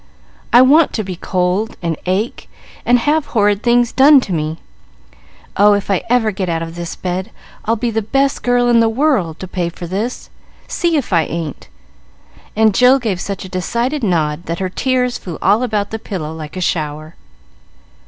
I want to be cold and ache and have horrid things done to me. Oh, if I ever get out of this bed I'll be the best girl in the world, to pay for this. See if I ain't!" and Jill gave such a decided nod that her tears flew all about the pillow like a shower.